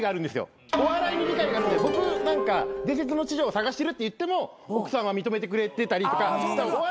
お笑いに理解があるんで僕なんか伝説の痴女を探してるって言っても奥さんは認めてくれてたりとか。